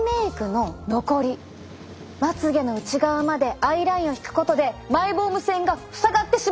まつ毛の内側までアイラインを引くことでマイボーム腺が塞がってしまうんです！